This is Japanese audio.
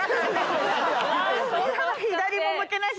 左も向けないし。